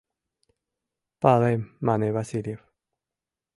— Палем, — мане Васильев.